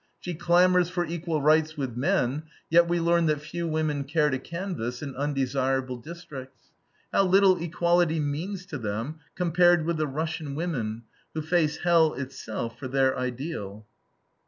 She clamors for equal rights with men, yet we learn that "few women care to canvas in undesirable districts." How little equality means to them compared with the Russian women, who face hell itself for their ideal!